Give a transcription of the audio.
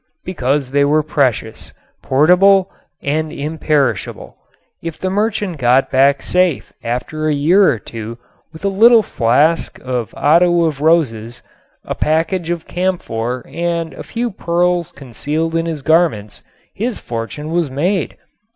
Because they were precious, portable and imperishable. If the merchant got back safe after a year or two with a little flask of otto of roses, a package of camphor and a few pearls concealed in his garments his fortune was made.